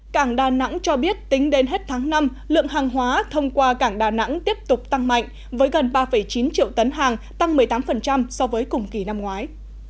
cảng đà nẵng cho biết tính đến hết tháng năm lượng hàng hóa thông qua cảng đà nẵng tiếp tục tăng mạnh với gần ba chín triệu tấn hàng tăng một mươi tám so với cùng kỳ năm ngoái